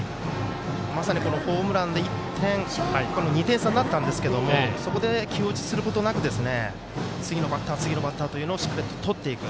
まさに、ホームランで２点差になったんですけれどもそこで気落ちすることなく次のバッター、次のバッターとしっかりととっていく。